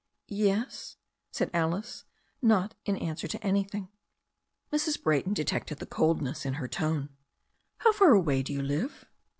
"Yes?" said Alice, not in answer to an3rthing. Mrs. Bra)rton detected the coldness in her tone. "How far away do you live?"